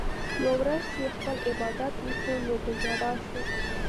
يوه ورځ چې ئې خپل عبادت وکړو نو پۀ ژړا شو